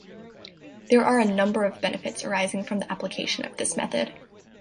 There are a number of benefits arising from the application of this method.